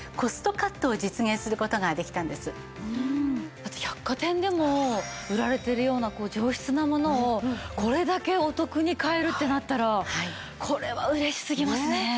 実は百貨店でも売られているような上質なものをこれだけお得に買えるってなったらこれは嬉しすぎますね。